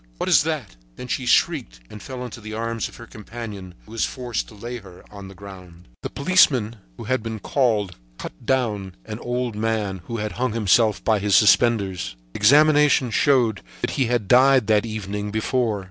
what is that?" Then she shrieked and fell into the arms of her companion, who was forced to lay her on the ground. The policeman who had been called cut down an old man who had hung himself with his suspenders. Examination showed that he had died the evening before.